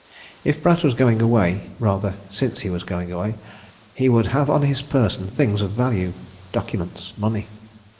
If Pratt was going away rather, since he was going away, he would have on his person things of value documents, money.